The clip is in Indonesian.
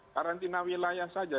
karantina wilayah saja